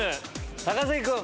高杉君。